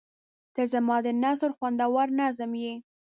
• ته زما د نثر خوندور نظم یې.